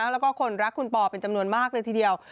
แล้วก็คนรักคุณปอเป็นจำนวนมากเลยทีเดียว